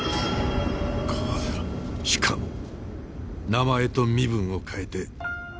しかも名前と身分を変えて。